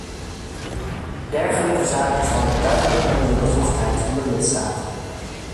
Dergelijke zaken vallen duidelijk onder de bevoegdheid van de lidstaten.